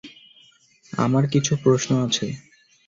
আমার কিছু প্রশ্ন আছে।